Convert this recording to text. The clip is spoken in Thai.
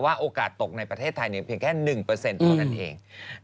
ว่าโอกาสตกในประเทศไทยนึงแค่๑คนอันเอง